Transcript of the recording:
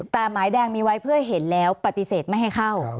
แต่หมายแดงมีไว้เพื่อเห็นแล้วปฏิเสธไม่ให้เข้า